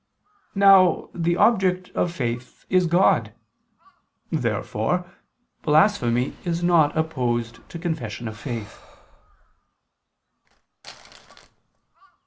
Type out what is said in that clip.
Now the object of faith is God. Therefore blasphemy is not opposed to confession of faith.